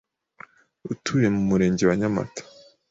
utuye mu Murenge wa Nyamata